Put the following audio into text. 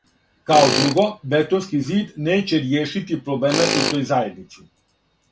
Као друго, бетонски зид неће ријешити проблеме у тој заједници.